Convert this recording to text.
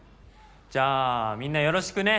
じゃあみんなよろしくね。